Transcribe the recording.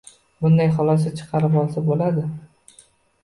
Bundan xulosa chiqarib olsa boʻladi.